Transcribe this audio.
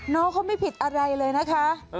น้องเขาไม่ผิดอะไรเลยนะคะ